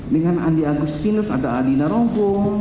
dengan andi agustinus ada adina rombong